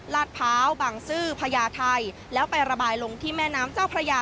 ลาดพร้าวบางซื่อพญาไทยแล้วไประบายลงที่แม่น้ำเจ้าพระยา